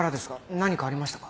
何かありましたか？